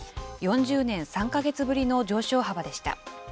４０年３か月ぶりの上昇幅でした。